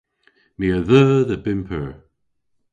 My a dheu dhe bymp eur.